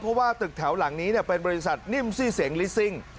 เพราะว่าตึกแถวหลังนี้เป็นบริษัทนิ่มซี่เสียงลิซิ่ง